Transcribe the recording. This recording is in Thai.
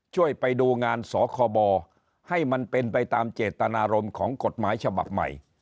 ไปดูงานสคบให้มันเป็นไปตามเจตนารมณ์ของกฎหมายฉบับใหม่